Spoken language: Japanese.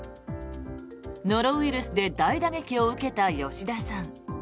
ノロウイルスで大打撃を受けた吉田さん。